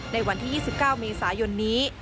ในวันที่๒๙เมษายนนี้